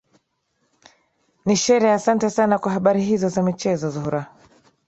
nishere asante sana kwa habari hizo za michezo zuhra